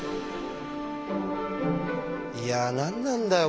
いや何なんだよ